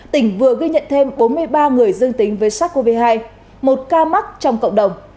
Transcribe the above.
tỉnh vừa ghi nhận thêm bốn mươi ba người dương tính với sars cov hai một ca mắc trong cộng đồng